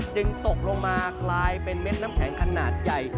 ตกลงมากลายเป็นเม็ดน้ำแข็งขนาดใหญ่